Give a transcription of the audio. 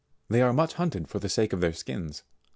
They are much hunted for the sake of their skins.